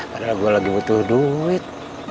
padahal gue lagi butuh duit